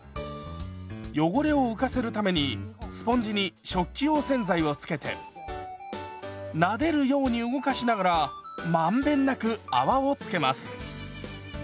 汚れを浮かせるためにスポンジに食器用洗剤をつけてなでるように動かしながら満遍なく泡をつけます。